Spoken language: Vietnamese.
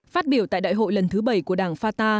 phát biểu tại đại hội lần thứ bảy của đảng fatah